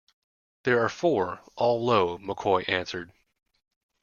There are four, all low, McCoy answered.